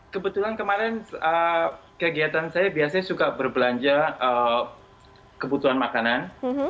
kebetulan kemarin kegiatan saya biasanya suka berbelanja kebutuhan makanan